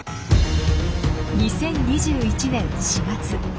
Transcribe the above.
２０２１年４月。